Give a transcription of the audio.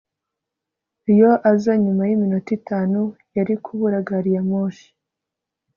iyo aza nyuma yiminota itanu, yari kubura gari ya moshi